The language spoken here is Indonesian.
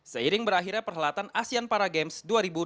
seiring berakhirnya perhelatan asean para games dua ribu delapan belas